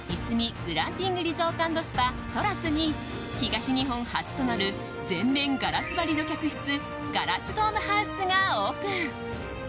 リゾート＆スパ、ソラスに東日本初となる全面ガラス張りの客室ガラスドームハウスがオープン。